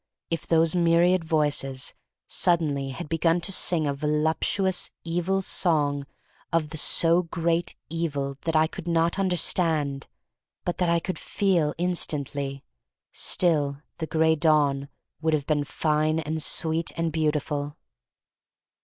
If those myriad voices suddenly had begun to sing a voluptuous evil song of the so great evil that I could not under stand, but that I could feel instantly, / 176 THE STORY OF MARY MAC LANE Still the Gray Dawn would have been fine and sweet and beautiful.